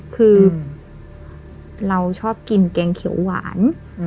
คือเราชอบกินแกงเขียวหวาน